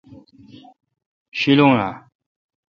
شیلون اں۔